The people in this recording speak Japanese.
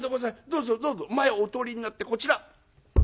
どうぞどうぞ前をお通りになってこちら」。